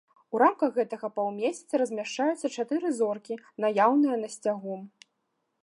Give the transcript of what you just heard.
У рамках гэтага паўмесяца размяшчаюцца чатыры зоркі, наяўныя на сцягу.